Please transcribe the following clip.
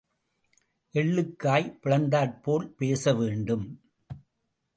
எள்ளுக்காய் பிளந்தாற் போலப் பேச வேண்டும்.